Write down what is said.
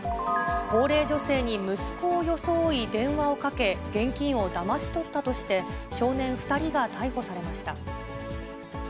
高齢女性に息子を装い電話をかけ、現金をだまし取ったとして、少年２人が逮捕されました。